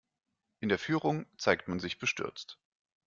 In der Führung zeigt man sich bestürzt.